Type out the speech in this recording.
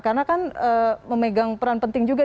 karena kan memegang peran penting juga di